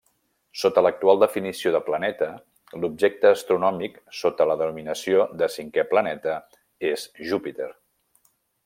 Sota l'actual definició de planeta, l'objecte astronòmic sota la denominació de cinquè planeta és Júpiter.